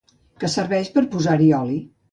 Que serveix per posar-hi oli.